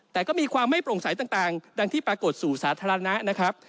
แต่ก็มีความไม่โปร่งใสต่างดังที่ปรากฏสู่สาธารณะนะครับ